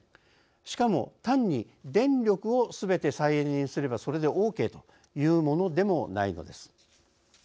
しかも単に電力をすべて再エネにすればそれでオーケーというものでもないのです。